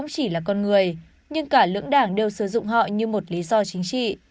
tất cả lưỡng đảng đều sử dụng họ như một lý do chính trị